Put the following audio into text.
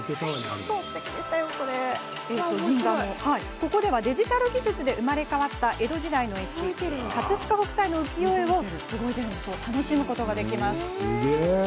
ここではデジタル技術で生まれ変わった江戸時代の絵師、葛飾北斎の浮世絵を楽しむことができます。